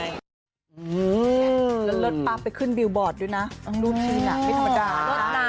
แล้วเลิศปั๊บไปขึ้นบิลบอร์ดด้วยนะรูปขึ้นไม่ธรรมดา